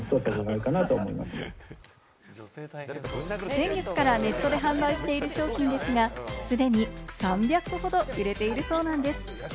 先月からネットで販売している商品ですが、すでに３００個ほど売れているそうなんです。